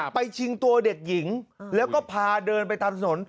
ชิงตัวเด็กหญิงแล้วก็พาเดินไปตามถนน